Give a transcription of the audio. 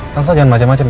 nasa jangan macem macem ya